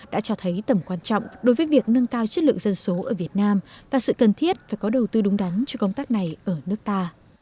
đã cho thấy tầm quan trọng đối với việc nâng cao chất lượng dân số ở việt nam và sự cần thiết phải có đầu tư đúng đắn cho công tác này ở nước ta